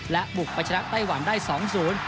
และบุกไปชนะไต้หวันได้สองศูนย์